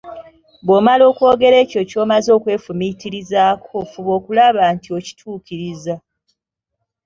"Bw'omala okwogera ekyo ky'omaze okwefumiitirizaako, fuba okulaba nti okituukiriza."